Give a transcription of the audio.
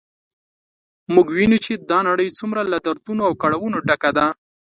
موږ وینو چې دا نړی څومره له دردونو او کړاوونو ډکه ده